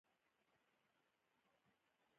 په افغانستان کې د بامیان د پرمختګ لپاره هڅې روانې دي.